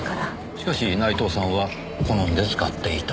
しかし内藤さんは好んで使っていた。